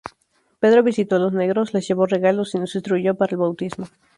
Pedro visitó a los negros, les llevó regalos y los instruyó para el bautismo.